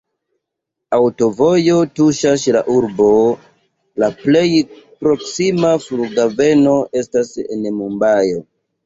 Aŭtovojo tuŝas la urbon, la plej proksima flughaveno estas en Mumbajo.